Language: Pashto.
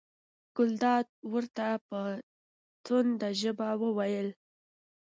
ګلداد ورته په تنده ژبه وویل.